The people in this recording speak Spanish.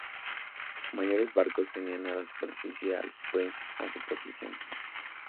Mayores barcos tenían a la superficie al sprint a su posición.